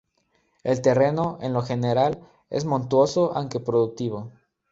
El terreno, en lo general, es montuoso aunque productivo.